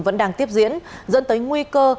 vẫn đang tiếp diễn dẫn tới nguy cơ